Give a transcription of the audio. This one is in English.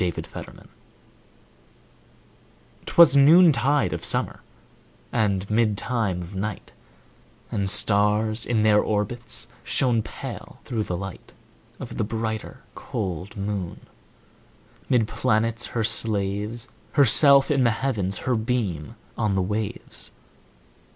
1827 Evening Star 'Twas noontide of summer, And midtime of night, And stars, in their orbits, Shone pale, through the light Of the brighter, cold moon. 'Mid planets her slaves, Herself in the Heavens, Her beam on the waves.